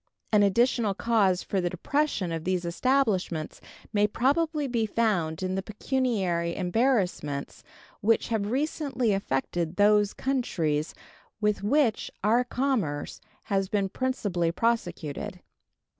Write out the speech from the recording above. An additional cause for the depression of these establishments may probably be found in the pecuniary embarrassments which have recently affected those countries with which our commerce has been principally prosecuted.